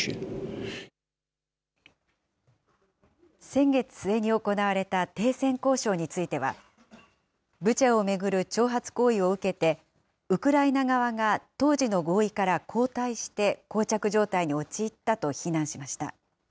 先月末に行われた停戦交渉については、ブチャを巡る挑発行為を受けて、ウクライナ側が当時の合意から後退して、こう着状態に陥ったと非難しました。